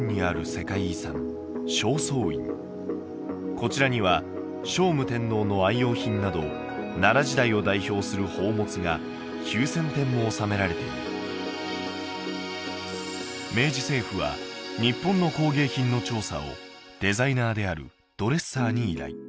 こちらには聖武天皇の愛用品など奈良時代を代表する宝物が９０００点もおさめられている明治政府は日本の工芸品の調査をデザイナーであるドレッサーに依頼